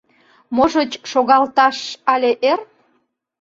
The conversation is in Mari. — Можыч, шогалташ але эр?